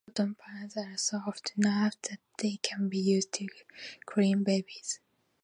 Cotton pads are soft enough that they can be used to clean babies.